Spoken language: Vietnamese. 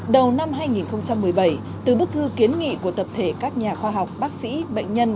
đầu năm hai nghìn một mươi bảy từ bức thư kiến nghị của tập thể các nhà khoa học bác sĩ bệnh nhân